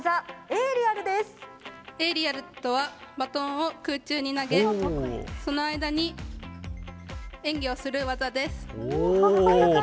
エーリアルとはバトンを空中に投げ、その間に演技をする技です。